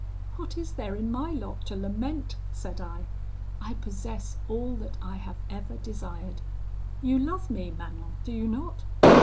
"'What is there in my lot to lament?' said I; 'I possess all that I have ever desired. You love me, Manon, do you not?